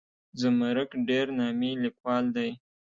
زمرک ډېر نامي لیکوال دی.